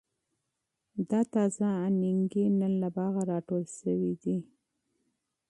دا تازه انار نن له باغه را ټول شوي دي.